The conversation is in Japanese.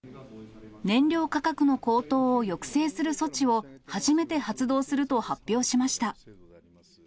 燃料価格の高騰を抑制する措置を、初めて発動すると発表しました。